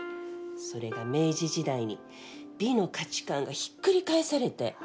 それが明治時代に美の価値観がひっくり返されて。